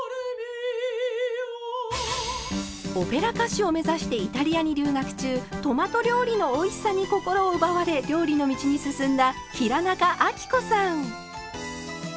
オペラ歌手を目指してイタリアに留学中トマト料理のおいしさに心を奪われ料理の道に進んだ平仲亜貴子さん。